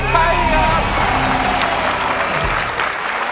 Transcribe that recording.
ไม่ใช้ครับ